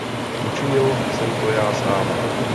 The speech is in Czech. Učinil jsem to já sám.